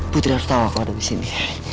putri harus tau kalau ada disini